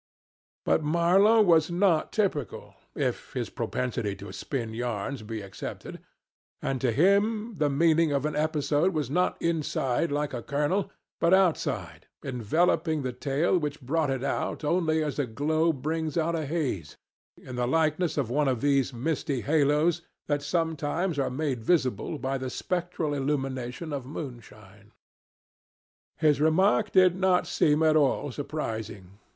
But Marlow was not typical (if his propensity to spin yarns be excepted), and to him the meaning of an episode was not inside like a kernel but outside, enveloping the tale which brought it out only as a glow brings out a haze, in the likeness of one of these misty halos that sometimes are made visible by the spectral illumination of moonshine. His remark did not seem at all surprising.